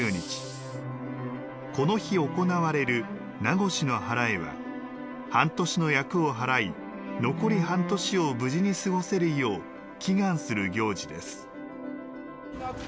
この日行われる夏越の祓は半年の厄をはらい残り半年を無事に過ごせるよう祈願する行事です。